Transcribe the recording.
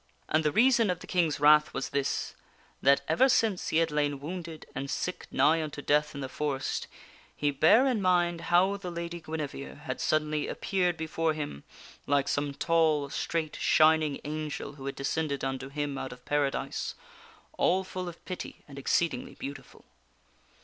And the reason of the King's wrath was this : that ever since he had lain wounded and sick nigh unto death in the forest, he bare in mind how the Lady Guinevere had suddenly appeared before him like some tall, straight, shining angel who had de scended unto him out of Paradise all full of pity, and exceedingly beau tiful.